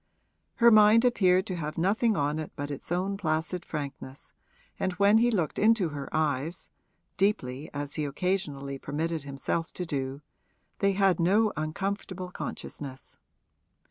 Her mind appeared to have nothing on it but its own placid frankness, and when he looked into her eyes (deeply, as he occasionally permitted himself to do), they had no uncomfortable consciousness.